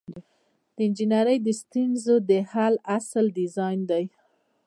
د انجنیری د ستونزو د حل اصل ډیزاین دی.